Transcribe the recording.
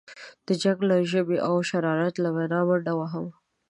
د جنګ له ژبې او شرارت له وینا منډه وهم.